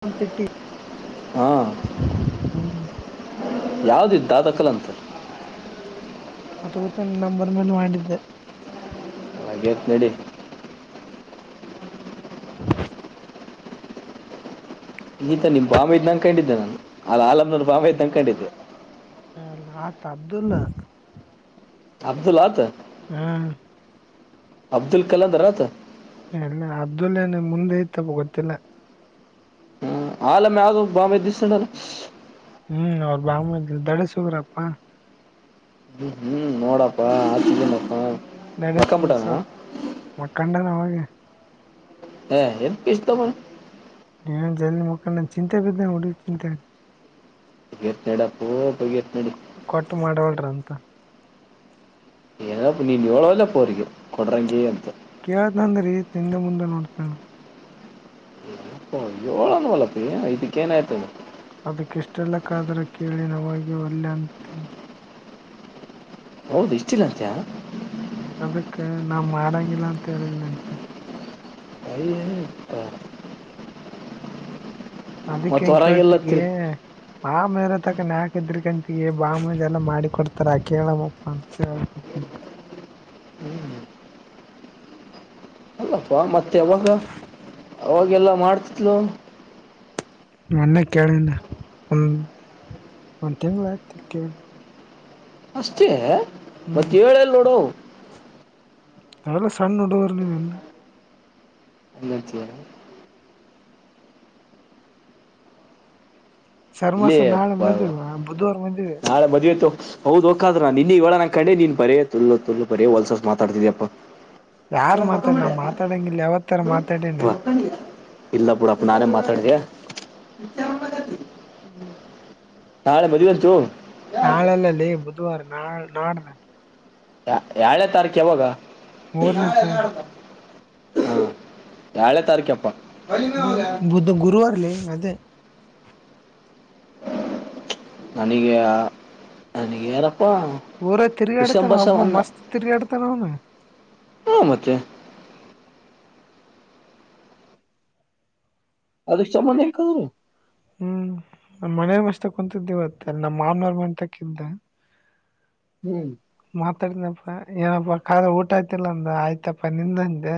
ನ, ತಟ್ಟಿ, ಹಾಂ ಹ್ಮ್. [unintelligible] ಯಾವ್ಧುಇಧ್ಹು, ದಾಧಕಾಳ್ಯಂತೆ. [unintelligible] ಅತುಗೋತು, ನೀನಾ, ನಂಬರ್, ಮೇಲೆ ಮಾಡಿದ್ದೆ. [inaudible] ಹಾಗೆಯೇಧುನಾಡ್ಡಿ. [inaudible] ಈತ, ನಿಮ್, ಬಾಮ್ಮಧೈಧ, ಅನುಕೊಂಡುಎ್ಧೇ ನಾನು ಅಲ್ಲಿ ಆಲಮ್ನರ್, ಬ್ಹ್ಮಾಧೈಧ, ಅನುಕೊಂಡುಈಧೆ. [inaudible] ಹ, ಆತ, ಅಬ್ದಲ್ಲ. [inaudible] ಅಬ್ದುಲ್ಲತ್. [unintelligible] ಹಾ. [inaudible] ಅಬ್ದುಲ್, ಕಲರತು. [inaudible] ಎಲ್ಲ, ಅಬುಧುಲ್ಲಾ, ಮುಂದೆ, ಇತಪ್ಪ, ಗೊತ್ತಿಲ್ಲ! [inaudible] ಆಲ, ಮ, ಅಗ್ಗು, ಬಾಂಬ, ದಿಸ. [inaudible] ಹ್ಮ್, ಅವ್ರ, ಭಮೈಧಾ, ದಡಾಸುಗ್ರಪ್ಪಾ. [inaudible] ಹ್ಮ್, ಹ್ಮ್, ನೋಡಪ್ಪಾ! ಆಕಿಶಿಧೇನಿಯಪ್ಪ. [inaudible] ಕಂಡಕ್ಟರ್, ಉರುಶಮು, ಮಕಂಡ, ಅವಾಗಲೆ. [inaudible] ಯಾರು, ಕೃಷ್ಣಮ್ಮ. [unintelligible] ನೀನು, ಜಲ್ದಿ, ಮುಕ್ಕಂಡು, ಚಿಂತೆ ಬಿದ್ದೇನು ಹುಡುಗಿ, ಚಿಂತೆ? [inaudible] ಹೆತಿಇಡಾಪ್ಪೋ?. [unintelligible] ಕೊಟ್ಟು, ಮಾಡವಳ್ರ, ಅಂತ? [inaudible] ಏನಪ್ಪ, ನಿಣುಹೇಳೊದರಲೆ, ಕೋರಿಕೆ, ಕೊಡ್ರಂಗಿ, ಅಂತ. [inaudible] ಕೇಳುತ್ತಂಡ್ರೆ, ಹಿಂದೆ, ಮುಂದೆ, ನೋಡ್ತಳ. [inaudible] ಹಾ ಆಯೋ, ಏನುಮಾಡೋಕಾರೂತಿ, ಇದುಕೆ, ಏನು, ಆಯ್ತು. [unintelligible] ಅದಕ್ಕೆ, ಇಷ್ಟೆಲ್ಲ ಕಾದ್ರೆ, ಕೇಳಿ ನಾವಗೀ, ಒಲ್ಲೆ ಅಂತ. [inaudible] ಹೌದು, ಇಷ್ಟಲ್ಲಂತಿಯ. [unintelligible] ಅದಕ್ಕ, ನಾ, ಮಾಡಂಗಿಲ್ಲ! ಅಂತ ಹೇಳಿಲ್ಲಂತೆ. [inaudible] ಸನ [inaudible] ಅದಕ್ಕೆ ಅಂಗ ಹೊರಗೆಲ್ಲ ಕೇಳ್ತಿಗ ತಿರು ಆಮೇರ ತಕನ ಹಾಕಿದ್ರಕಂತ ಬಾಮುಜ ಎಲ್ಲ ಮಾಡಿ ಕೊಡ್ತಾರ ಕೇಳಮ್ಮಪ್ಪ ಅಂತ ಹ್ಮ್ ಹ್ಮ್ [inaudible] ಅಲ್ಲಪ್ಪಾ ಮತ್ತೆ ಯಾವಾಗ ಅವಾಗೆಲ್ಲಾ ಮಾಡ್ತಿತ್ಲು ಮೊನ್ನೆ ಕೇಳಿನ ಒಂದು ಒಂದು ತಿಂಳ ಆಗ್ತ ಕೇಳಿ ಅಷ್ಟೇ ಮತ್ತ ಹ್ಮ್ ಹೇಳಲ್ ನೋಡ ತಾವಲ ಸಣ್ಣ ಉಡವರ್ ನೀವುಣ ಎಂದರ ಇಲ್ಲ ಸರ್ಮಸ ನಾಳೆ ಬ ಮದ್ವೆ ಬುಧವಾರ ಮದ್ವೆ ನಾಳೆ ಮಜುತ್ತುು ಹೌದ ಒಕ್ಕಾದದ್ರ ನಿನ್ನ ಇವಳ ನಂ ಕಡೆ ನೀನ್ ಬರಯ ತುಲ್ಲು ತು ಬರೋ ಹೊಲ್ಸ ಮಾತಾಡ್ತಿದ್ಯಪ್ಪಾ ಯಾರು ಮೊಕ್ಕ ಮಾತಾಡ್ ನಾ ಮಾತಾಡಂಗಿಲ್ಲ ಯಾವತ್ತರ ಮಾತಾಡೇನೆ ಮಡಕ್ಕಿಯ ಇಲ್ಲ ಪುಡಪ್ಪ ನಾನೇ ಮಾತಾಡಿದೆ ಹಾೆ ಬಧ ಬತ್ತು ಚು [inaudible] ನಾಳಲ್ಲಲ್ಲಿ ಬುಧವಾರ ನಾ ನಾಡ್ದ ಏಳನ ತಾರೀಕು ಯಾವಾಗ ಮೂರನೇ ತಾರೀಕಕು ಹಾ ಯಏಳೇ ತಾರೀಕಪ್ಪ ಅದ ಬುದ್ಧ ಗುರುವವಾರಲ್ಲೇ ಅದೇ ನನಗೆ ಅನಗೆ ಯರ ಊರ ತಿರುಗಾಡ್ತಾನ ಅಬ್ಬ ಮಸ್ತ್ ತಿರುಗಾಡ್ತಾನ ಅವನು ಹ ಮತ್ತೆ ಅದು ಚಾಮನೆಕ ಹ್ಮ್ ನ್ ಮನೇ ಮಸ್ತ ಕುಂತಿದ್ದವತ್ತ ನಮ್ಮ ಮಾವನವ್ರ ಮತಕಿದ್ದ ಹ್ಮ್ ಮಾತಾಡನಪ್ಪ ಏನಪ್ಪಾ ಖಾರ ಊಟ ಆಯ್ತಿಲ್ಲ ಅಂದ ಆಯ್ತಪ್ಪಾ ನಿಂದಂೆ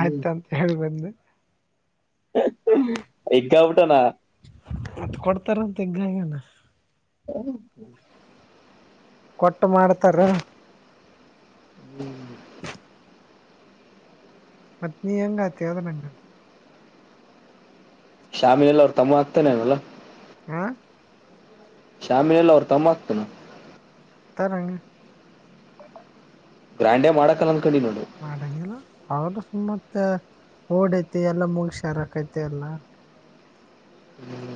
ಆಯ್ತ ಅಂತ ಹೇಳಿ ಬಂದು ಈಗ್ಗಬಟನಾ ಮತ್ ಕೊಡ್ತಾರ ಅಂತ ಈಗಾಗಣ ಹ [inaudible] ಕೊಟ್ಟು ಮಾಡ್ತಾರ ಹ್ಮ್ ಪತ್ನ ಎಂಗತದ ನಂಗ ಶಾಮಿನ ಎಲ್ಲ ಅವ್ರು ತಮ್ಮ ಆಗ್ತಾನನಲ್ಲ ಹಾ ಶ್ಯಾಮಿನ ಎಲ್ಲ ಅವರು ತಮ್ಮ ಆಗ್ತನ ಕಾರರಂಗ ಬ್ರಾಂಡೆ ಮಾಡಕಲ್ಲ ಅಂದ್ ಕಡಿ ಮಾಡಂಗಿಲ್ಲ ಅವ್ರರು ಸು ಮತ್ತ ಓಡೈತಿ ಎಲ್ಲಾ ಮುಗ ಶಾರಕೈತಿ ಎಲ್ಲ ಹ್ಮ್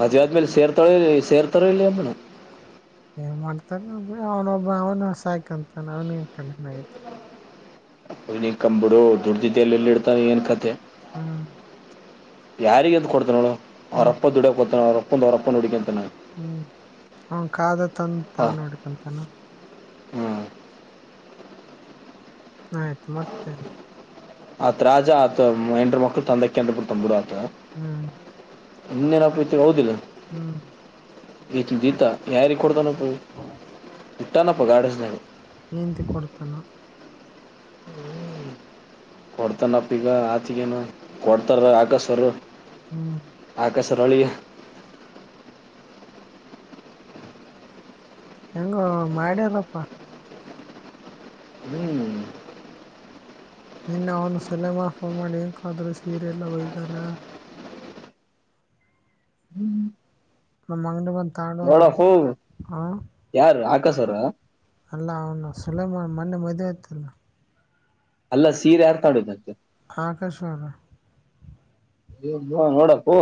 ಮದುವೆ ಆದ್ಮೇಲೆ ಸೇರ್ತಾರೋ ಇ ಸೇರ್ತಾರ ಇಲ್ಲಿ ಅಮ್ಮಣ ಏನ್ ಮಾಡ್ತಾನ ಅವನೊಬ್ಬ ಅವನು ಹೊಸ ಹಾಯಕಂತಾನ ಅವನು ನ್ ಕಂಡಮ ಆಗತೆ ಹನ ಕಂಬಿಡು ದುಡ್ದಿದ್ದ ಎಲ್ಲಿ ಎಲ್ಲಿ ಇಡ್ತಾರೆ ಏನ್ ಕತೆ ಹ್ಮ್ ಯಾರಿಿಗೆಂತ ಕೊತಾನಳು ಹ್ಮ್ ಅವ್ರಪ್ಪ ದುಡಿಯ ಕೊತಾನ ಅವ್ರಪ್ಪ ಅವ್ರಪ್ಪನ ನುಡುಗಂತ ಹ್ಮ್ ಹ ಕಾದ ತ ತ ನಡ್ಕಂತಾನ [inaudible] ಹಾ [inaudible] ಆಯ್ತು ಮತ್ತೆಲ್ಲ ಅತ್ ರಾಜಜಾ ಅ ಮಕ್ಕಳ ತಂದೆ ಕೇಂದ್ರ ಪ ತ ಬಿಡ ಹ್ಮ್ ಇನ್ನೇನಪ್ಪಪ್ತಿ ಹದಿಲ್ಲ ಹ್ಮ್ ಈತು ದ ಯರಿ ಕೊಡ್ತಾನ ಪ ಟನಪ್ಪ ಗಾಡಿಸಸ್ನನೆ ಏಂತ ಕೊಡ್ತಾನ ಕೊಡ್ತಾನಪ್ಪ ಈಗ ಆತಿಗೇನು ಕೊಡ್ತಾರ ಆಗಸ್ವರು ಹ್ಮ್ ತರಳಿಗೆ ಹೆಂಗ ಮಾಡ್ಯಾರಪ್ಪಾ ಹ್ಮ್ ನಿನ್ನೆ ಅವನು ಸಲೆಮಾನ್ ಫೋನ್ ಮಾಡಿ ನಾದ್ರೂ ಸೀರೆ ಎಲ್ಲ ಒಯ್ದಾರ ನಮ್ಮ ಅಂಗಡಿ ತಗೊಂಡು ಹೋದ್ರು ನೋಡಪ್ಪ ಹ ಯಾರ ಆಕಾಶ ಅವರ ಅಲ್ಲ ಅವನು ಸೂಲೆಮಾನ್ ಮೊನ್ನೆ ಮದ್ುವೆ ಆಯ್ತಲ್ಲ ಅಲ್ಲ ಸೀರೆ ಯಾರ್ತಾಡ್ೆ ಆಕಾಶ ಅವರ ನೋಡಾಪ್ಪು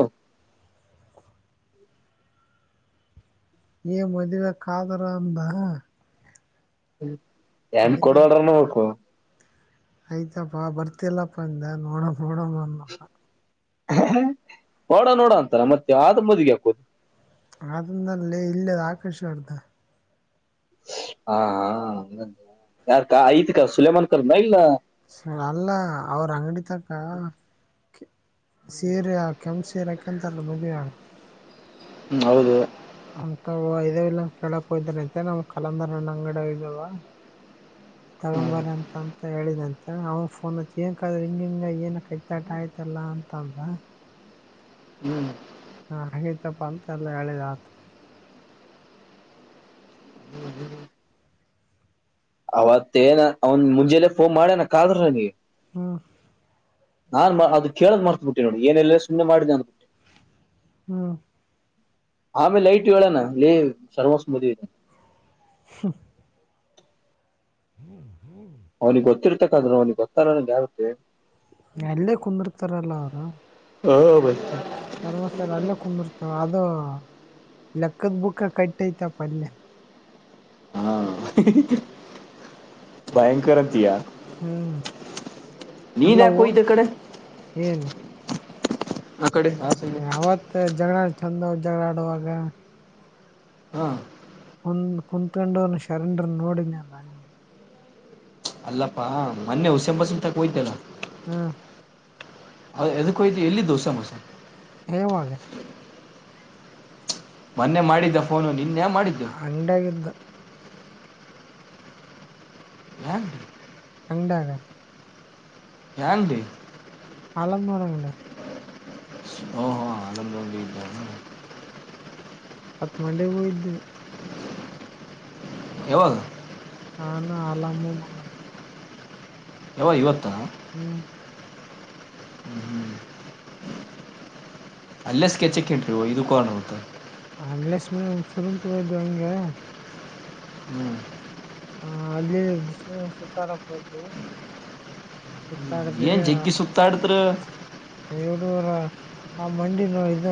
ಏ ಮದ್ವೆೆ ಕಾದ್ರ ಅಂದ ಏನ್ ಆಯ್ತ ಕೊಡವಳ್ರನು ಹಕು ಆಯ್ತಪ್ಪಾ ಬರ್ತಿಲ್ಲಪ್ಪ ಅಂದ ನೋಡ ನೋಡಮ ಅನಪ್ಪ ನೋಡ ನೋಡ ಅಂತಾರ ಮತ್ತೆ ಆದ ಮದಿಗೆ ಹಾಕೋದು ಅಂದಲ್ಲೇ ಇಲ್ಲದ ಆಕಾಶವರ್ಧ ಹಾ ಹ ಯಾರಕ ಐ್ತ್ ಕಾ ಸುಲಮಾನ್ ಕರ್ ಇಲ್ಲ ಸ ಅಲ್ಲ ಅವ್ರ ಅಂಗಡಿಿತಕ್ಕ ಸೇರೆ ಕೆಂಪ ಸೇರೆಕಂತಲ್ಲ ಮದುವ ಹ್ಮ ಹೌದು ಅಂತ ಇದ ಇಲ್ಲ ಕೇಳಕ್ ಹಯ್ದಾರಂತೆ ನಮ್ ಕಲಂದರ್ಣ ಅಂಗಡ ಇದಾವ ಹ್ಮ್ ತಗೊಂಬರ ಅಂತ ಅಂತ ಹೇಳಿದ ಅವ ಫೋನ್ ಏನ್ಕ್ರೆ ಹಿಂಗ ಹಿಂಗ ಏನ ಕೈತಾಟ ಆಯ್ತಲ್ಲ ಅಂತಂದ ಹ್ಮ್ ಹಾ ಹಾಗೈತಪ್ಪ ಅಂತೆ ಎಲ್ಲ ಹೇಳಿದ್ ಆತ್ ಅವತ್ತೇಏನ ಅವನ್ ಮುಂಜೆಲ್ಲ ಫೋನ್ ಮಾಡ್ಯನ ಕಾದ್ರ ನೀ ಹ್ಮ ನಾನ್ ಅದು ಕೇಳಕ್ ಮಾಡ್ತ್ಬ ಬಿಟ್ಟಿ ನೋಡಿ ಏನೆಲ್ಲ ಸುಮ್ಮ್ನೆ ಮಾಡಿ ನ ಅಂದ್ಬಿಟ್ಟಿ ಹ್ಮ ಆಮೇಲೆ ಲೈಟ್ ಹೇಳೋಣ ಲೇ ಸರ್ವಸ್ಮದ ಇದೆ ಹ್ಮ ಹ್ಮ್ ಹ್ಮ್ ಅವನಿಗೆ ಗೊತ್ತಿರ್ತಕ್ಕಾದ್ರೂ ಅವನಿಗೆ ಗೊತ್ತಾರನಗೆ ಯಗುತ್ತೆ ಎಲ್ಲೇ ಕುಂದಿರ್ತಾರಲ್ಲ ಅವರು ಹಓ ಬ ಲೆಕ್ಕದ್ ಬುಕ್ಕ ಕಟ್ಟ ಐತೆಪ ಅಲ್ಲೆ ಹಾ ಭಯಂಕರ್ ಅಂತೀಯಾ ಹ್ಮ್ ನೀನ್ ಎಲ್ಲ ಯಾಕ್ ಹೋಯಿತ್ ಇಕಡೆ ಏನ್ ಅವತ್ ಜಗಳ ಚಂದ ಜಗಳ ಆಡುವಾಗ ಹಾ ಂದು ಕುಂತ್ೊಂಡು ಶರಂಡರ್ ನೋಡಿದ್ದು ನಾನಲ್ಲಿ ಅಲ್ಲಪ್ಪಾ ಮೊನ್ನೆ ಹುಸೆಂಬಸ ತಕ ಹಯ್ತಲ್ಲ ಹ್ಮ್ ಅ ಎದುಕ್ಕಯತು ಎಲ್ಲಿಿ ದೋಸೆ ಮೋಸೆ ಎವ ಆಾಗೆ ಮೊನ್ನೆ ಮಾಡಿದ್ದ ಫೋನು ನಿ ಅಂಗಡಿಯಾಗೇಯಿದೇ ಹಾಂ ಹಾಂಗಡಾನೆ ಯಲ್ದು ಅಲಾಂನವರ ಗಂಡ ಹುಂ ಹುಂ [unintelligible] ಹತ್ ಮಂಡೆಗೆ ಹೋಗಿದ್ವಿ ಯಾವಾಗ ನಾನು ಆಲಾಮು ಮನ್ನ [unintelligible] ಇವತ್ತ ಹ್ಮ್ ಹ್ಮ್ ಹ್ಮ್ ಅಲ್ಲೇ ಸ್ಕೆಚ್ಕ್ಕಂಟ್ರಿ ಇದುಕ್ ಹೋಗಣ ಮತ್ತೆ [unintelligible] ಹ್ಮ್ ಹಾಂ ಅಲ್ಲಿ ಸು ಸುತ್ತಾಡಕ್ ಹಯ್ದು ಸುತ್ತಾಡದೆ ಏನ್ ಅ ಜಗ್ಗಿ ಸುತ್ತಾಡಿದ್ರ [unintelligible] ಆ ಮಂಡಿ ನೋವ್ ಇದ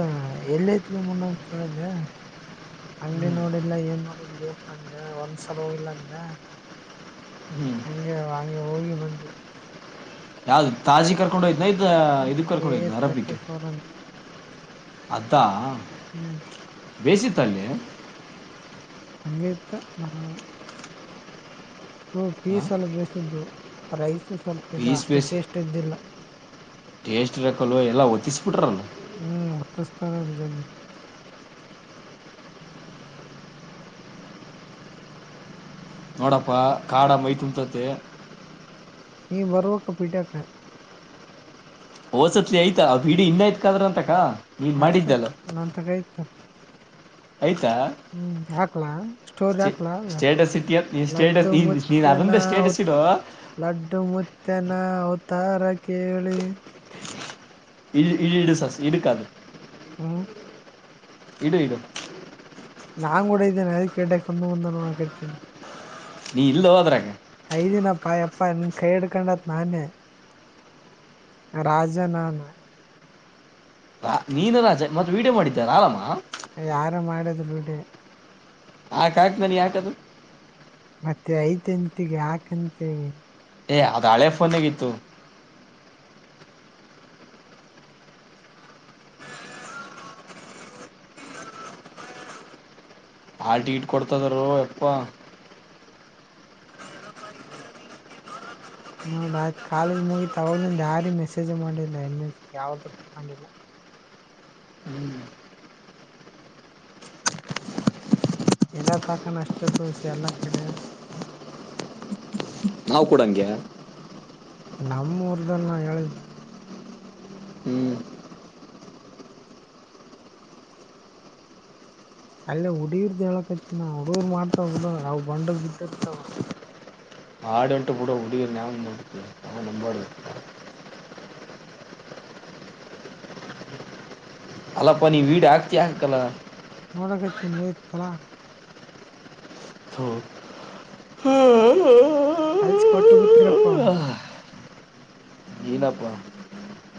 ಯಲಾಯಿತ್ಲೆ ಮನು ಅನ್ ಕೇಳಿದ್ದ ಅಂಗಡಿ ಹ್ಮ್ ನೋಡಿಲ್ಲ ಏನ್ ನೋಡಿಲ್ಪ್ಪ ಅಂದ ಒಂದ್ಸಲ ಹೋಗಿಲ್ಲ ಅಂದ ಹ್ಮ್ ಹಂಗೆವ ಅಂಗೆ ಹೋಗಿ ಬಂದೆ ತಾಜ್ ತಾಜ್ ಕರ್ಕೊಂಡು ಹೋಯಿದ್ನ ಇದ ಇದಕ್ ಕೆ ಕರ್ಕೊಂಡೋ ಹೋಯಿದ್ನ ತರ್ಟಿ ಅರಬ್ಬಿಕ್ಗೆ ಫೋರ್ ಅಂತ ಅದಾ... ಹ್ಮ್ ಬೇಯಿಸಿತ ಅಲ್ಲಿ ಹಂಗೆ ಇತ್ತು ನಾ ಹು ಪೀಸ್ ಎಲ್ಲ ಬೇಯಿಸಿದ್ದು ರೈಸ್ ಚೂರ್ ಸ್ವಲ್ಪ ಇದೆ ಪೀಸ್ ಅಷ್ಟು ಬೇಸಿ ಟೇಸ್ಟ್ ಇದ್ದಿಲ್ಲ ಟೇಸ್ಟ್ ಇರಕಲೂ ಎಲ್ಲ ಒತ್ತಿಸ್ಬಿಟ್ರಲ್ಲ ಹ್ಮ್ ಹೊತ್ತಿಸ್ತರ ಅಲ್ ಜಾಗ್ಗಿ ನೋಡಪ್ಪಾ ಕಾಡ ಮೈ ತುಂಬ್ತಯಿತೇ ನೀ ಬರ್ಬೇಕು ಪಿಟೀಯಕ್ಕೆ ಓಸತ್ಲಿ ಆಯ್ತಾ ಆ ಬಿಡಿ ಇನ್ನಯ್ತ್ ಕಾದ್ರ ಅಂತಕ ನೀನ್ ನಂತ ಮಾಡಿದ್ದಲ್ಲ ನಂತ ಗಾಯ್ತ ಆಯ್ತಾ ಹಾ ಸ್ಟೋರಿ ಹಾಕ್ಲ ಸ್ಟೇಟಸ್ ಇಟ್ಟಿ ಅಂತ ನೀನ್ ಸ್ಟೇಟಸ್ ಲಡ್ಡುೂ ನೀನ್ ನೀನ್ ಮುುತ್ತ ಅದೊಂದೇ ಸ್ಟೇಟಸ್ ಔತ ಇಡು ಲಡ್ಡು ಮುತ್ತನ ಔತಾರ ಕೇಳಿ ಇಲ್ ಇಲ್ ಇಡು ಸಾಸು [unintelligible] ಹ್ಮ ಇಡು ಇಡು [unintelligible] ನೀ ಇಲ್ಲೋ ಅದ್ರಗ. ಐ ಈದಿನಪ್ಪಾ ಯಪ್ಪ ನಿನ್ ಕೈ ಹಿಡ್ಕೊಂಡತ್ ನಾನೇ. ರಾಜನಾನ ನೀನೆನ ರಾಜ ಮತ್ ವಿಡಿಯೋ ಮಾಡಿದ್ ಯಾರಾಮ ಯಾರು ಮಾಡಿದ್ರು ವಿಡಿಯೋ ಹಾಕ್ ಹಾಕ್ ಮೇನೆ ಯಾಕದು ಮತ್ತೆ ಐತೇನ್ಗೆ ಹಾಕ್ಂತಿ ಏ ಅದು ಹಳೆ ಫೋನಗ್ಗಿತ್ತು ಹಾಲ್ ಟಿಕೀಟ್ ಕೊಡ್ತಾಯಿದಾರೋ ಯಪ್ಪ ನೋಡ್ ಆ ಕಾಲೇಜ್ ಮುಗಿತು ಆವಾಗ್ಲಿಂದ ಯಾರಿಗ್ ಮೆಸೇಜ್ ಮಾಡಿಲ್ಲ ಎಮ್ ಎಸ್ ಯಾವುದಕು ಮಾಡಿಲ್ಲ ಇರತಂಕನ ಅಷ್ಟೆ ತೋರ್ಸ್ ಎಲ್ಲ ಕಡೆ. ನಾವ್ ಕುಡಂಗೆ. ನಮ್ಮು ಉರ್ದನ ನಾ ಹೇಳಿದ್ದ. ಹ್ಮ್ ಅಲ್ಲೇ ಹುಡುಗಿರ್ದ ಹೇಳಕತ್ತಿನ ನಾ ಹುಡುಗೂರ್ ಮಾಡ್ತಾವ ಉಡಾಳ ಆವ್ ಬಂಡಗ್ ಬಿದ್ದಿರ್ತಾವ. ಆಡಂಟ್ ಬುಡು ಅವ್ ಹುಡುಗೀರ್ನ ಯಾಕ್ ನಂಬತಿಯ ಅಲ್ಲಪ್ಪ ನೀ ವಿಡಿಯೋ ಹಾಕ್ತಿ ಹಾಕಲ್ಲ. ಒದಕಾತೀನಿ ಇಲ್ಲೆ ಇತ್ತಲ್ಲ. ಹೋ ಆಲ್ಸ್ ಪೋಟೊ ಬುಟ್ರ್ [unintelligible] ನೀನಪ್ಪ.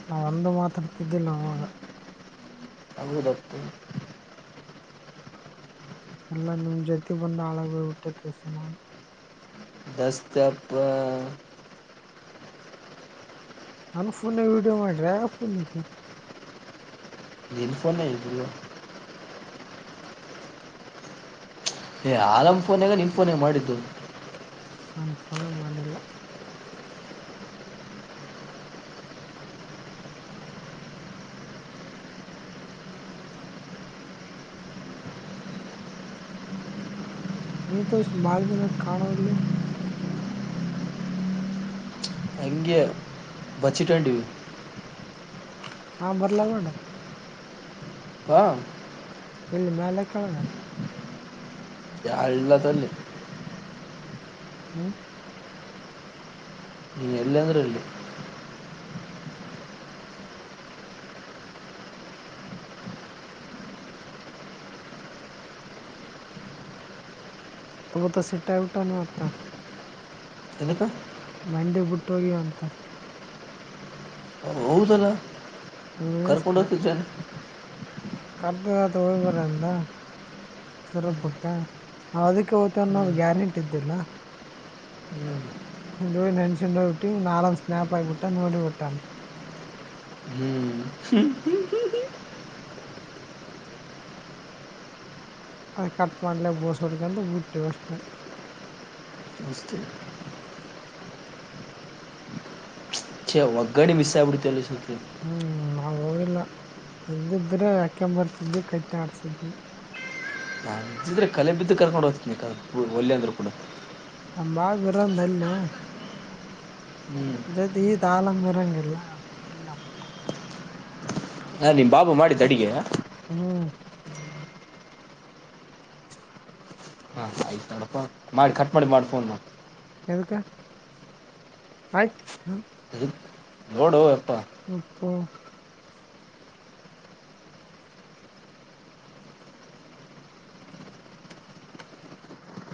ನಾ ಒಂದು ಮಾತಾಡ್ತಿದ್ದಿಲ್ಲ ಅವಾಗ. ಹೌದಪ್ಪ ಎಲ್ಲಾ ನಿಮ್ ಜೊತಿ ಬಂದ ಹಾಳಾಗ ಹೋಗ ಬಿಟ್ಟಿವ್ ತೆಸಿಂದ. ಎಸ್ತ್ಯಪ್ಪ. ನಾನ್ ಫುಲ್ ವಿಡಿಯೋ ಮಾಡ್ರಯಾ ಫುಲ್ ವಿಡಿಯೋ. ನೀನ್ ಫೋನ್ಯಾಗ್ ಐತ್ ವಿಡಿಯೋ. ಏ ಆಲಮ್ಮ ಫೋನ್ಯಾಗ್ ನೀನ್ ಫೋನ್ಯಾಗ್ ಮಾಡಿದ್ದು. ನಾನ್ ಫೋನ್ಯಾಗ್ ಮಾಡಿಲ್ಲ ಏನ್ ತೋಯಿಸ್ ಭಾಳ ದಿನ ಆಯಿತ್ ಕಾಣೋ ವಲ್ಲಿ. ಬಚ್ಚಿಟ್ ಹೋಟಿವಿ. ನಾ ಬರ್ಲ ಬೇಡಾ. ಬಾ ಏಲ್ಲಿ ಮ್ಯಾಲ ಕೆಳಗ. ಎಲ್ಲಾ ತೊಲಿ. ಹ್ಮ ನಿ ಎಲ್ಲಾಂದ್ರ ಅಲ್ಲಿ. ತೂತ ಸಿಟ್ಟಾಗ ಬಿಟ್ಟನ್ ಇವತ್ತ. ಎದಕ. ಮಂಡೆ ಬಿುಟ್ಟ ಹೋಗ್ಯುವಂತ. ಹೌದಲ್ಲ ಕರ್ಕೊಂಡ ಹೊತ್ತಿದ ಜನ್. ಕರ್ದ ಆತ ಹೋಗ್ ಬರ್ರಿ ಅಂದ. ಸಿರಗುಪ್ಪಕ ನಾವ್ ಅದೀಕ್ಕೆ ಹೊತೇವ್ ಹ್ಮ್ ಅನ್ನೋದು ಗ್ಯಾರಂಟಿ ಇದ್ದಿಲ್ಲ. ಹ್ಮ್ ಅಲ್ಲೋಗಿ ನಾನ್ ಸೆಂಡೋಗ್ ಬಿಟ್ಟಿಂಗ್ ನಾನಾದ ಸ್ನ್ಯಾಪ್ ಹಾಕ್ಬಿಟ್ಟೆ ನೋಡಿ ಬಿಟ್ಟಾನ. ಹ್ಮ್ ಅದ ಕಟ್ ಮಾಡ್ಲೆ [unintelligible] ಬುಟ್ಟಿವ್ ಅಷ್ಟೇ. ಅಷ್ಟೇ ಛೆ ಒಗ್ಗಡಿ ಮಿಸ್ ಆಗ್ ಬಿಡ್ತಿಲ್ಲೆ ನಾ ಹೋಗಿಲ್ ನಾ ಹಿಂದಿದ್ರೆ ಹಾಕ್ಯಾಂಬ ಬರ್ತಿದಿ ಕೈತ ಆಡ್ಸಿದ್ವಿ. ನಾನ್ ಚಿದ್ರಿ ಕಲೆ ಬಿದ್ದು ಕರ್ಕೊಂಡು ಹೊತಿದ್ನಿ ಕರ್ ವಲ್ಯಂದ್ರು ಕುಡ. ನಮ್ ಬಾವ್ ಬಿರಂದ ಅಲ್ಯಾ. ಹ್ಮ್ ಜದ್ದಿ ತಾಲಮ್ ಮಿರಂಗಿಲ್ಲ [unintelligible] ಹಾ ನಿಮ್ ಬಾಬು ಮಾಡಿದ್ದ ಅಡಿಗೆ ಹ್ಮ್ [unintelligible] ಹಾಂ ಆಯ್ತು ನೋಡಪ್ಪ ಮಾಡಿ ಕಟ್ ಮಾಡಿ ಮಾಡಿ ಫೋನ್ ಎದಕ್ಕ ಆಯ್ತ ಹ ನೋಡೋ ಎಪ್ಪಾ. ಪೊ